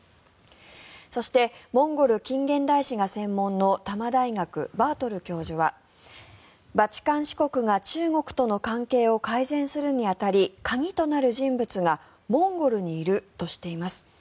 そして、モンゴル近現代史が専門の多摩大学、バートル教授はバチカン市国が中国との関係を改善するに当たり鍵となる人物がモンゴルにいるとしています。